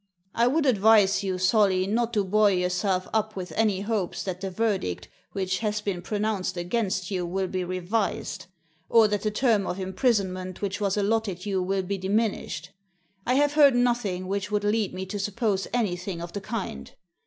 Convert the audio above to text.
I would advise you, Solly, not to buoy yourself up with any hopes that the verdict which has been pronounced against you Digitized by VjOOQIC THE PHOTOGRAPHS 39 will be revised, or that the term of imprisonment which was allotted you will be diminished. I have heard nothing which would lead me to suppose any thing of the kind.